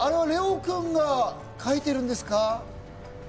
レオくんが書いてるんですか？